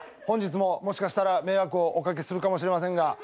本日ももしかしたら迷惑をお掛けするかもしれませんが。